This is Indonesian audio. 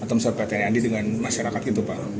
atau misalnya pak tni andi dengan masyarakat itu pak